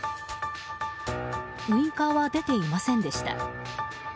ウインカーは出ていませんでした。